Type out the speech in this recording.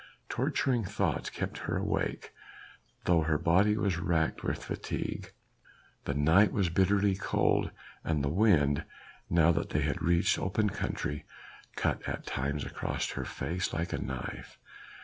Torturing thoughts kept her awake, though her body was racked with fatigue. The night was bitterly cold, and the wind, now that they had reached open country, cut at times across her face like a knife.